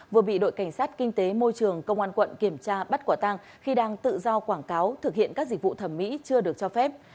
vừa bị đội cảnh sát kinh tế môi trường công an quận kiểm tra bắt quả tăng khi đang tự do quảng cáo thực hiện các dịch vụ thẩm mỹ chưa được cho phép